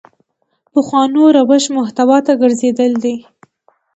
پخوانو روش محتوا ته ګرځېدل دي.